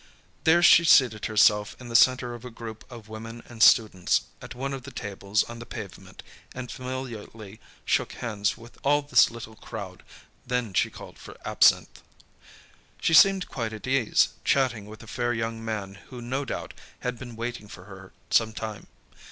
There she seated herself in the centre of a group of women and students, at one of the tables on the pavement, and familiarly shook hands with all this little crowd. Then she called for absinthe. She seemed quite at ease, chatting with a fair young man who no doubt had been waiting for her some time.